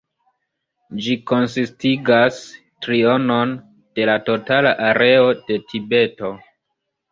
Ĝi konsistigas trionon de la totala areo de Tibeto.